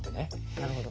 なるほど。